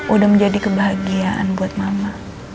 udah menjadi kebahagiaan buat mama